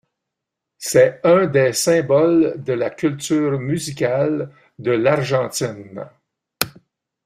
C'est un des symboles de la culture musicale de l'Argentine.